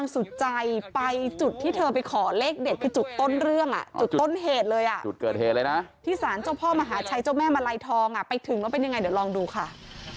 นะจุดต้นเรื่องอ่ะจุดต้นเหตุเลยอ่ะจุดเกิดเหตุเลยนะที่สารเจ้าพ่อมหาชายเจ้าแม่มะไรทองอ่ะไปถึงแล้วเป็นยังไงเดี๋ยวลองดูค่ะ